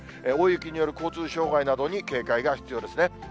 大雪による交通障害などに警戒が必要ですね。